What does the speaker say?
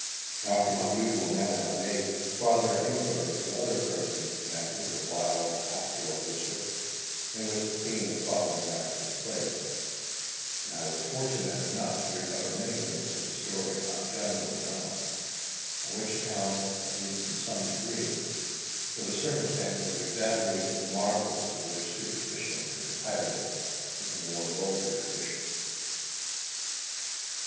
After my usual manner, I made farther enquiries of other persons connected with the wild and pastoral district in which the scene of the following narrative is placed, and I was fortunate enough to recover many links of the story, not generally known, and which account, at least in some degree, for the circumstances of exaggerated marvel with which superstition has attired it in the more vulgar traditions.